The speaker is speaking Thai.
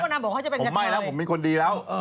กำลังบอกว่าเขาจะเป็นกระเทยผมไม่แล้วผมเป็นคนนี้แล้ว